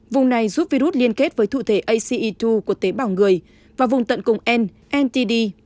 vùng này giúp virus liên kết với thụ thể ace hai của tế bảo người và vùng tận cùng n ntd